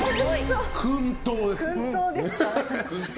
薫陶です。